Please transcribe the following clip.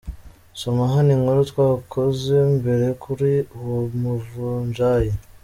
Soma hano inkuru twakoze mbere kuri uwo muvunjayi.